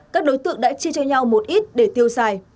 các đối tượng đã chia cho nhau một ít để tiêu xài